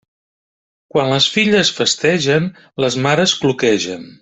Quan les filles festegen, les mares cloquegen.